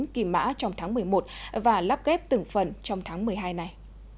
kỳ mã trong tháng một mươi một và lắp ghép từng phần trong tháng một mươi hai này